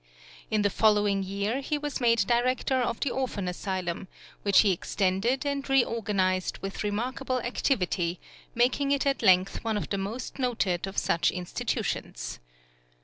In the following year he was made director of the Orphan Asylum, which he extended and reorganised with remarkable activity, making it at length one of the most noted of such institutions.